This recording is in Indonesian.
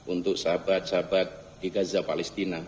untuk sahabat sahabat di gaza palestina